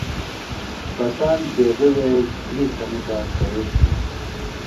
بساند بیغیۡ وے یھئی تھنیۡ بہ کرے تی؟